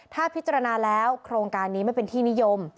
ถ้าพิจารณาแล้วโครงการนี้ไม่เป็นที่นิยม